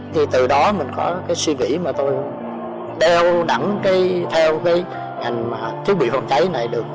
thì từ đó mình có cái suy nghĩ mà tôi đeo theo cái thiết bị phòng cháy này được